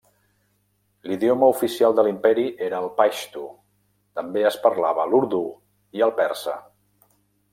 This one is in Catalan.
L'idioma oficial de l'imperi era el paixtu; també es parlava l'urdú i el persa.